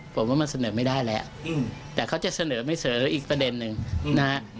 ผมว่ามันเสนอไม่ได้แล้วแต่เขาจะเสนอไม่เสนออีกประเด็นหนึ่งนะฮะ